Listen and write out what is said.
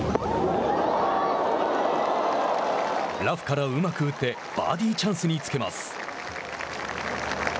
ラフからうまく打ってバーディーチャンスにつけます。